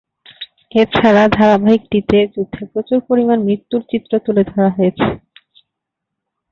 এছাড়া ধারাবাহিকটিতে যুদ্ধে প্রচুর পরিমাণ মৃত্যুর চিত্র তুলে ধরা হয়েছে।